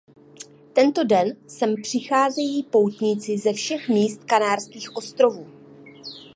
Tento den sem přicházejí poutníci ze všech míst Kanárských ostrovů.